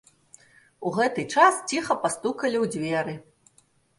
У гэты час ціха пастукалі ў дзверы.